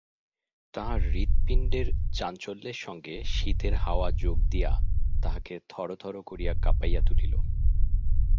তাহার হৃৎপিণ্ডের চাঞ্চল্যের সঙ্গে শীতের হাওয়া যোগ দিয়া তাহাকে থরথর করিয়া কাঁপাইয়া তুলিল।